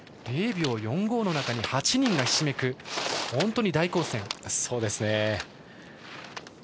０秒４５の中に８人がひしめく大混戦。